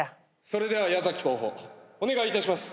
それでは矢崎候補お願いいたします。